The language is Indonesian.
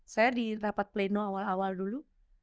saya di rapat pleno awal awal dulu